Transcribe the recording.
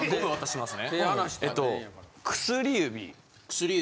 薬指。